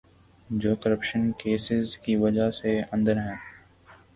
جو corruption cases کی وجہ سے اندر ہیں۔